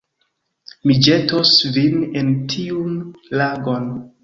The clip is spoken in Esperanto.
Mi ĵetos vin en tiun lagon